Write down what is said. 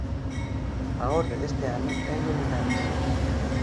A orde deste ano ten novidades.